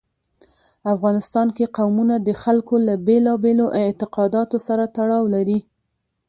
افغانستان کې قومونه د خلکو له بېلابېلو اعتقاداتو سره تړاو لري.